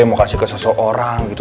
mau kasih ke seseorang gitu